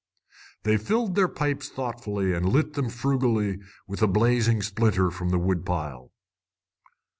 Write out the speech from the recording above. They filled their pipes thoughtfully and lit them frugally with a blazing splinter from the wood pile.